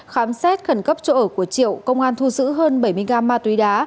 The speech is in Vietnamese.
khám xét khẩn cấp chỗ ở của triệu công an thu giữ hơn bảy mươi gam ma túy đá